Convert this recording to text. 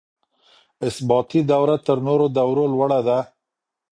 اثباتي دوره تر نورو دورو لوړه ده.